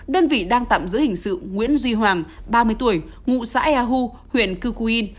đơn vị đang tạm giữ hình sự nguyễn duy hoàng ba mươi tuổi ngụ xã ea hu huyện cư cu yên